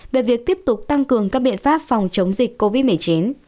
về việc tiếp tục tăng cường các biện pháp phòng chống dịch covid một mươi chín